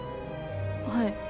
はい。